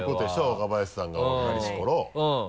若林さんが若かりし頃。